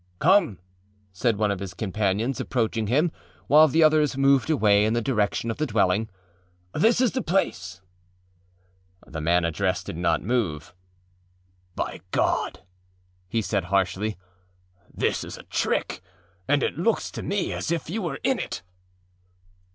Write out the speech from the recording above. âCome,â said one of his companions, approaching him, while the others moved away in the direction of the dwellingââthis is the place.â The man addressed did not move. âBy God!â he said harshly, âthis is a trick, and it looks to me as if you were in it.